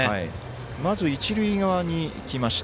まず一塁側に行きました。